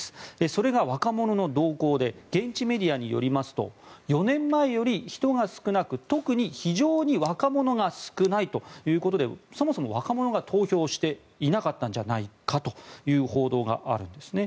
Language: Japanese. それが若者の動向で現地メディアによりますと４年前より人が少なく特に非常に若者が少ないということでそもそも若者が投票していなかったんじゃないかという報道があるんですね。